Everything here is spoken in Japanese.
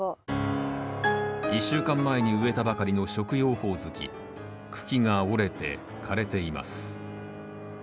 １週間前に植えたばかりの茎が折れて枯れています